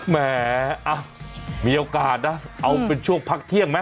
แหมมีโอกาสนะเอาเป็นช่วงพักเที่ยงไหม